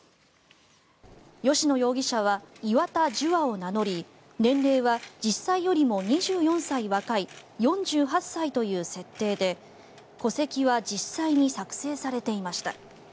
吉野容疑者は岩田樹亞を名乗り年齢は実際よりも２４歳若い４８歳という設定で戸籍は実際に作成されていました。